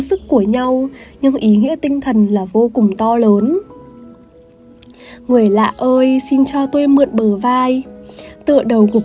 sức của nhau nhưng ý nghĩa tinh thần là vô cùng to lớn người lạ ơi xin cho tôi mượn bờ vai tựa đầu cuộc